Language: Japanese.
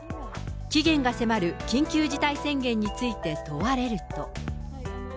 期限が迫る緊急事態宣言について問われると。